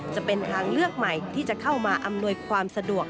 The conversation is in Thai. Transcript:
จะเป็นทางเลือกใหม่ที่จะเข้ามาอำนวยความสะดวก